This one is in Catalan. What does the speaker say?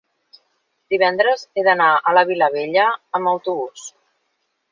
Divendres he d'anar a la Vilavella amb autobús.